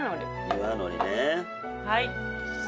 岩のりね。